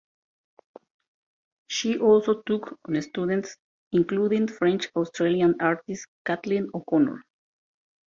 She also took on students, including French-Australian artist Kathleen O'Connor.